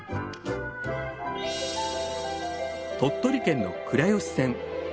鳥取県の倉吉線。